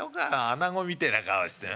アナゴみてえな顔して。